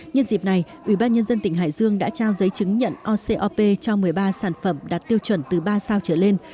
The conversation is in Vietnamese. nhân dịp này ủy ban nhân dân tỉnh hải dương đã trao giới chứng nhận ocop cho một mươi ba sản phẩm đạt tiêu chuẩn từ ba sao trở lên